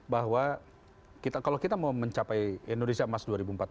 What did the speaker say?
bahwa kalau kita mau mencapai indonesia emas dua ribu empat puluh lima